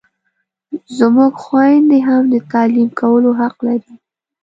زموږ خویندې هم د تعلیم کولو حق لري!